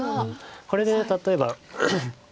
これで例えば。